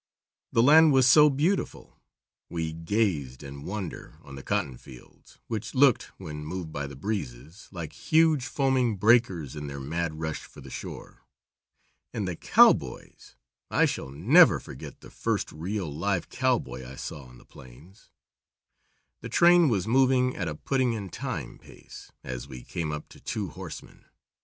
The land was so beautiful. We gazed in wonder on the cotton fields, which looked, when moved by the breezes, like huge, foaming breakers in their mad rush for the shore. And the cowboys! I shall never forget the first real, live cowboy I saw on the plains. The train was moving at a "putting in time" pace, as we came up to two horsemen.